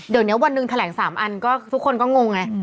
เดี๋ยวนี้วันหนึ่งแถลง๓อันก็ทุกคนก็งงไง